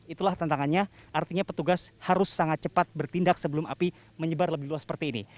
itulah tantangannya artinya petugas harus sangat cepat bertindak sebelum api menyebar lebih luas seperti ini